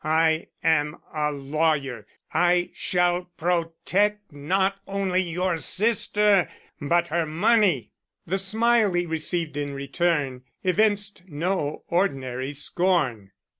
I am a lawyer. I shall protect, not only your sister, but her money." The smile he received in return evinced no ordinary scorn.